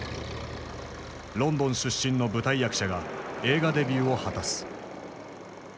ロンドン出身の舞台役者が映画デビューを果たす。